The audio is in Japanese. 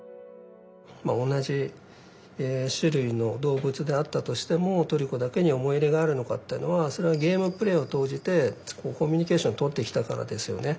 まあ同じ種類の動物であったとしてもトリコだけに思い入れがあるのかってのはそれはゲームプレイを通じてコミュニケーションをとってきたからですよね。